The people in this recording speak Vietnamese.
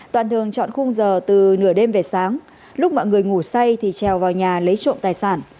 toàn thường chọn khung giờ từ nửa đêm về sáng lúc mọi người ngủ say thì trèo vào nhà lấy trộm tài sản